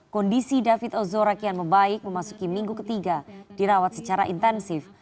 kondisi david ozora kian membaik memasuki minggu ketiga dirawat secara intensif